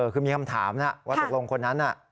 คือมีคำถามนะว่าตกลงคนนั้นน่ะ